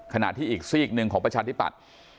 ขณะที่อีกซีกหนึ่งของประชาธิปัตย์